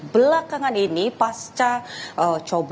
belakangan ini pasca